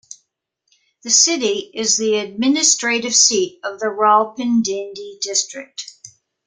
The city is the administrative seat of the Rawalpindi District.